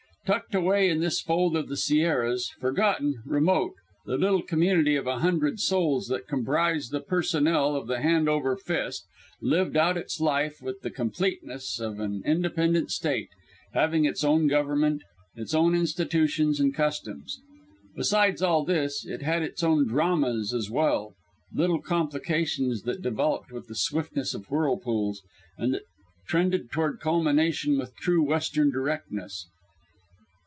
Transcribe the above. Tucked away in this fold of the Sierras, forgotten, remote, the little community of a hundred souls that comprised the personnel of the Hand over fist lived out its life with the completeness of an independent State, having its own government, its own institutions and customs. Besides all this, it had its own dramas as well little complications that developed with the swiftness of whirlpools, and that trended toward culmination with true Western directness.